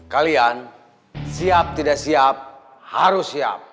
kalian siap tidak siap harus siap